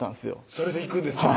それで行くんですか？